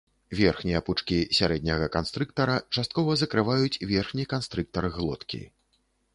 Верхнія пучкі сярэдняга канстрыктара часткова закрываюць верхні канстрыктар глоткі.